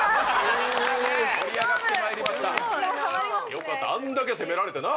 よかったあんだけ攻められてな。